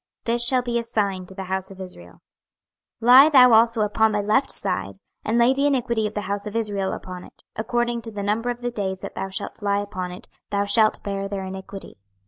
This shall be a sign to the house of Israel. 26:004:004 Lie thou also upon thy left side, and lay the iniquity of the house of Israel upon it: according to the number of the days that thou shalt lie upon it thou shalt bear their iniquity.